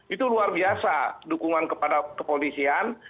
itu luar biasa dukungan kepada kepolisian